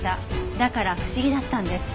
だから不思議だったんです。